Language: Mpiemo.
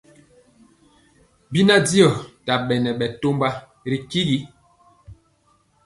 Bina diɔ tabɛne bɛtɔmba ri tyigi.